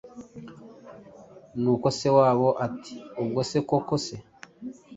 Nuko se wabo ati: “Ubwo se ko se